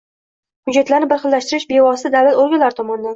Hujjatlarni birxillashtirish bevosita davlat organlari tomonidan